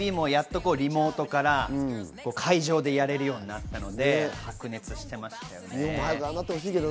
ＭＴＶもリモートから会場でやれるようになったので、白熱していましたね。